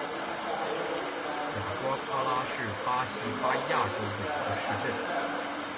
雅瓜夸拉是巴西巴伊亚州的一个市镇。